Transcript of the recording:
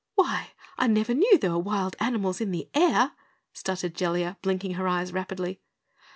"Why, I never knew there were wild animals in the air," stuttered Jellia, blinking her eyes rapidly.